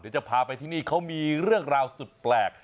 จะพาไปที่นี่เขามีเรื่องราวสุดแปลก